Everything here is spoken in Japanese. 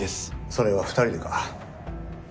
それは２人でか？